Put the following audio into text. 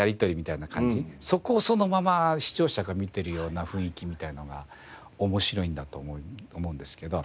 そこをそのまま視聴者が見てるような雰囲気みたいなのが面白いんだと思うんですけど。